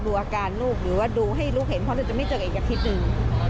ดูอาการลูกหรือว่าดูให้ลูกเห็นเพราะเราจะไม่เจออีกอาทิตย์หนึ่ง